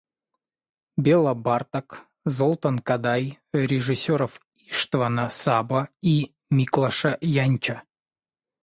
Бела Барток, Золтан Кодай, режиссеров Иштвана Сабо и Миклоша Янчо